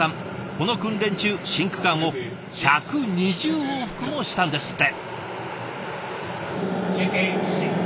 この訓練中新区間を１２０往復もしたんですって。